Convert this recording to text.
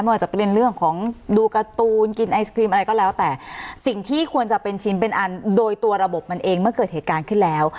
ว่าจะเป็นเรื่องของดูการ์ตูนกินไอศครีมอะไรก็แล้วแต่สิ่งที่ควรจะเป็นชิ้นเป็นอันโดยตัวระบบมันเองเมื่อเกิดเหตุการณ์ขึ้นแล้ว